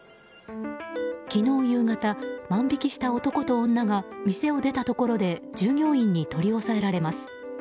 昨日夕方、万引きした男と女が店を出たところで従業員に取り押さえられます。